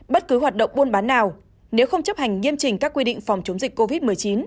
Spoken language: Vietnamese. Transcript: bất cứ hoạt động buôn bán nào nếu không chấp hành nghiêm trình các quy định phòng chống dịch covid một mươi chín